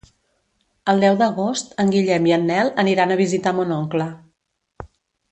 El deu d'agost en Guillem i en Nel aniran a visitar mon oncle.